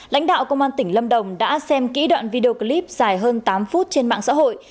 lãnh đạo công an tỉnh lâm đồng đã xem kỹ đoạn video clip dài hơn tám phút trên mạng xã hội